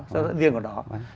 rượu riêng của nó